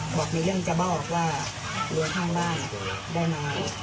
บอกมีเรื่องจะบอกว่าเรือข้างบ้านได้มา